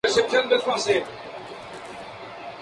El caso continúa en investigación.